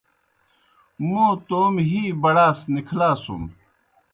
موْ توموْ ہِی بھڑاس نِکھلاسُن۔